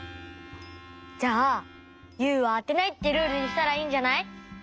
じゃあ「ユウはあてない」ってルールにしたらいいんじゃない？